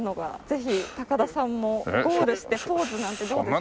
ぜひ高田さんもゴールしてポーズなんてどうでしょうか？